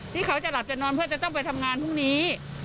ที่เขาจะหลับจะนอนเพื่อจะต้องไปทำงานพรุ่งนี้